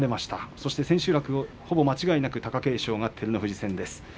そして千秋楽ほぼ間違いなく貴景勝は照ノ富士戦です。